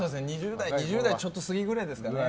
２０代ちょっと過ぎぐらいですかね。